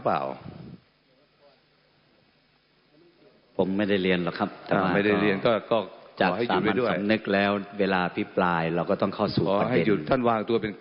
ต๊อกต๊อกต๊อกต๊อกต๊อกต๊อกต๊อก